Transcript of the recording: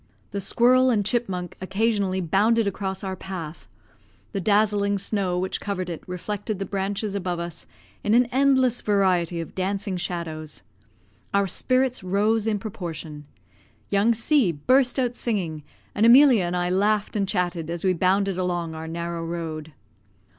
The squirrel and chipmunk occasionally bounded across our path; the dazzling snow which covered it reflected the branches above us in an endless variety of dancing shadows. Our spirits rose in proportion. Young C burst out singing, and Emilia and I laughed and chatted as we bounded along our narrow road.